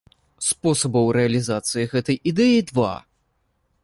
Спосабаў рэалізацыі гэтай ідэі два.